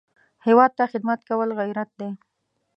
هېواد ته خدمت کول غیرت دی